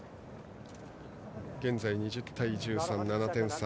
現在２０対１３と７点差。